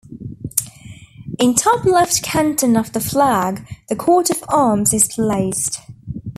In top left canton of the flag the Coat of Arms is placed.